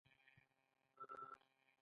چین د تیلو ستر واردونکی هیواد دی.